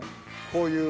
こういう。